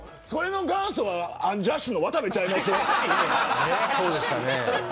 それの元祖はアンジャッシュの渡部ちゃいます。